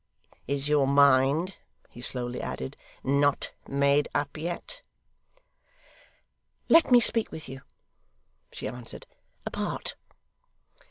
Is your mind,' he slowly added, 'not made up yet?' 'Let me speak with you,' she answered, 'apart.